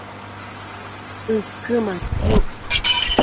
ëquë matsiuc